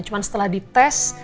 cuman setelah dites